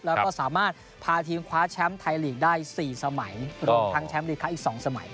แล้วก็สามารถพาทีมคว้าแชมป์ไทยลีกได้๔สมัย